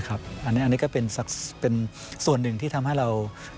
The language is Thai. อันนี้ก็เป็นส่วนหนึ่งที่ทำให้เรา